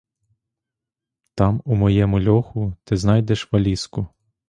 Там у моєму льоху ти знайдеш валізку.